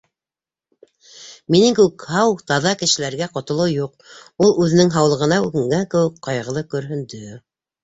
Минең кеүек һау-таҙа кешеләргә ҡотолоу юҡ, — ул үҙенең һаулығына үкенгән кеүек ҡайғылы көрһөндө.